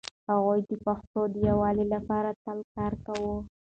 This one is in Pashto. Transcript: هغوی د پښتنو د يووالي لپاره تل کار کاوه.